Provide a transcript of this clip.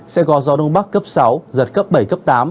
sẽ có gió đông bắc cấp sáu giật cấp bảy cấp tám